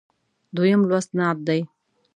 دویم لوست نعت دی.